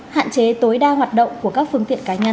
hạn chế tối đa hoạt động của các phương tiện cá nhân